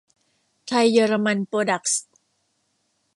ไทย-เยอรมัน โปรดักส์